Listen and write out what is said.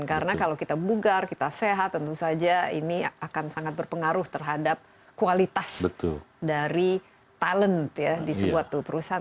karena kalau kita bugar kita sehat tentu saja ini akan sangat berpengaruh terhadap kualitas dari talent ya di sebuah perusahaan